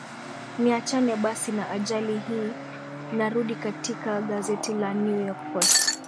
ni achane basi na ajali hii narudi katika gazeti la new york post